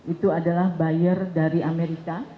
itu adalah buyer dari amerika